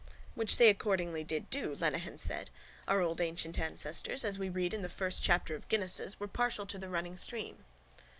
_ —Which they accordingly did do, Lenehan said. Our old ancient ancestors, as we read in the first chapter of Guinness's, were partial to the running stream.